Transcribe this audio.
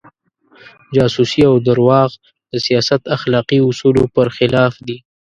جاسوسي او درواغ د سیاست اخلاقي اصولو پر خلاف دي.